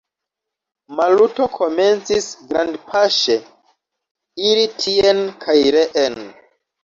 Maluto komencis grandpaŝe iri tien kaj reen.